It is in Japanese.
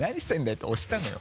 って押したのよ。